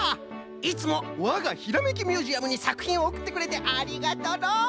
いつもわがひらめきミュージアムにさくひんをおくってくれてありがとうの！